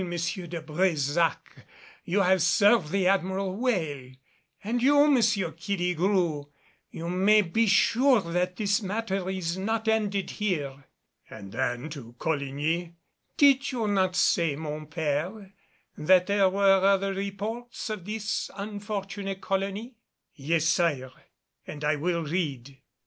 de Brésac, you have served the Admiral well and you, M. Killigrew. You may be sure that this matter is not ended here." And then to Coligny, "Did you not say, mon père, that there were other reports of this unfortunate colony?" "Yes, sire, and I will read."